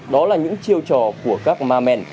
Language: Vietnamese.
đó là những chiêu trò của các ma men